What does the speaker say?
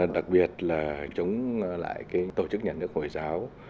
đặc biệt là chống lại tổ chức nhà nước hồi giáo